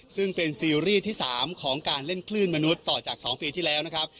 ซึ่งเป็นซีรีส์ที่๓ของการเล่นคลื่นมนุษย์ต่อจาก๒ปีที่แล้วนะครับ